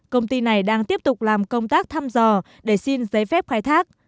công ty này đang tiếp tục làm công tác thăm dò để xin giấy phép khai thác